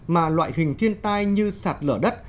mà loại hình thiên tai như sạt lở đất